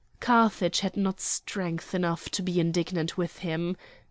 Carthage had not strength enough to be indignant with him.